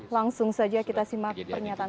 langsung saja kita simak pernyataan